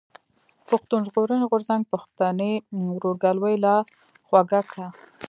پښتون ژغورني غورځنګ پښتني ورورګلوي لا خوږه کړه.